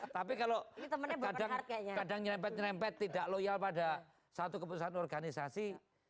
tapi kalau kadang nyerempet nyerempet tidak loyal pada satu keputusan organisasi